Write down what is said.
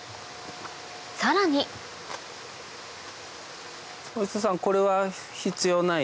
さらに法師人さんこれは必要ない？